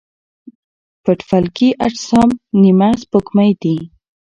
پټ فلکي اجسام نیمه سپوږمۍ دي.